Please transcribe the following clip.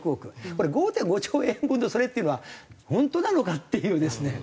これ５．５兆円分のそれっていうのは本当なのかっていうですね。